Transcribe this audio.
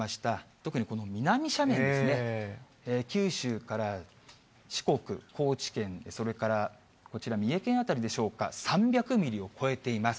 特にこの南斜面ですね、九州から四国、高知県、それからこちら、三重県辺りでしょうか、３００ミリを超えています。